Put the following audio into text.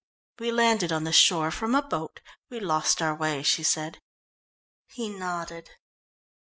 "We landed on the shore from a boat. We lost our way," she said. He nodded.